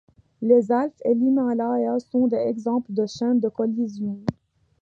Les Alpes et l'Himalaya sont des exemples de chaînes de collision.